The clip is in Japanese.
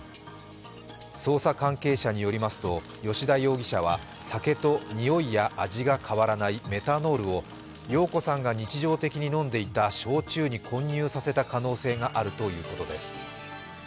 捜査関係者によりますと吉田容疑者は酒とにおいや味が変わらないメタノールを容子さんが日常的に飲んでいた焼酎に混入させた可能性があるということです。